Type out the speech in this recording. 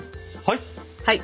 はい。